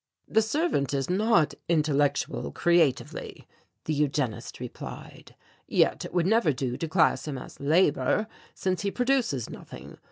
"The servant is not intellectual creatively," the Eugenist replied, "yet it would never do to class him as Labour since he produces nothing.